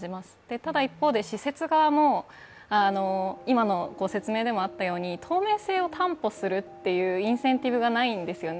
ただ一方で施設側も、今の説明でもあったように透明性を担保するっていうインセンティブがないんですよね。